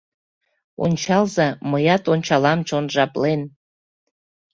Ончалза, мыят ончалам чон жаплен.